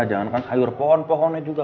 jangan kan sayur pohon pohonnya juga